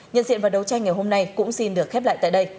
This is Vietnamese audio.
nhân diện và đấu tranh ngày hôm nay cũng xin được khép lại tại đây